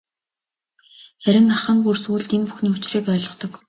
Харин ах нь бүр сүүлд энэ бүхний учрыг ойлгодог.